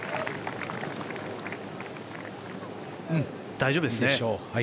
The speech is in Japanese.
大丈夫ですね。